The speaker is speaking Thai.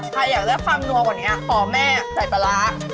อยากได้ความนัวกว่านี้ขอแม่ใส่ปลาร้า